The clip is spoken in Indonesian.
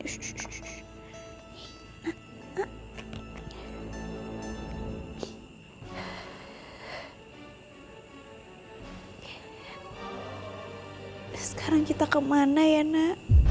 nah sekarang kita kemana ya nak